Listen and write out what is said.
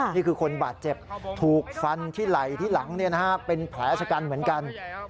นี่คือคนบาดเจ็บถูกฟันที่ไหล่ที่หลังเป็นแผลชะกันเหมือนกัน